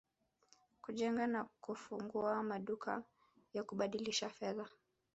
kujenga na kufungua maduka ya kubadilishia fedha